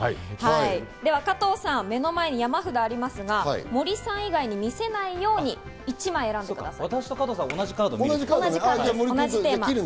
では加藤さん、目の前に山ほどありますが、森さん以外に見せないように１枚選んでください。